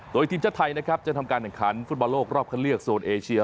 โดยทีมชาติไทยนะครับจะทำการแข่งขันฟุตบอลโลกรอบคันเลือกโซนเอเชีย